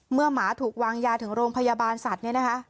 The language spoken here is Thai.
หมาถูกวางยาถึงโรงพยาบาลสัตว์เนี่ยนะคะ